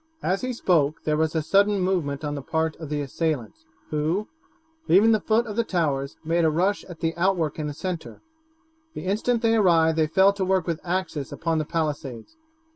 As he spoke there was a sudden movement on the part of the assailants, who, leaving the foot of the towers, made a rush at the outwork in the centre. The instant they arrived they fell to work with axes upon the palisades.